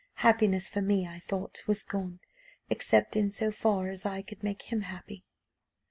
Happiness for me, I thought, was gone, except in so far as I could make him happy.